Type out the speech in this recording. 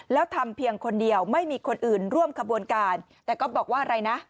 แล้วทำเพียงคนเดียวไม่มีคนอื่นร่วมขบวนการแต่ก็บอกว่าอะไรนะ